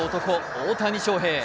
大谷翔平。